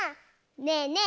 ねえねえ